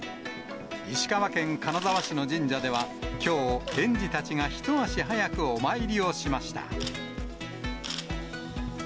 石川県金沢市の神社では、きょう、園児たちが一足早くお参りをしました。